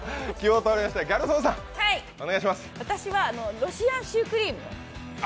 私はロシアンシュークリーム。